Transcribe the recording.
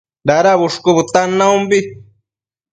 Dada bushcu bëtan naumbi